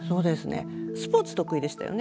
スポーツ得意でしたよね？